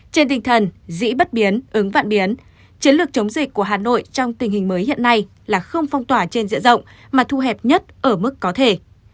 trên tinh thần dĩ bất biến ứng vạn biến chiến lược chống dịch của hà nội trong tình hình mới hiện nay là không phong tỏa trên diện rộng mà thu hẹp nhất ở mức có thể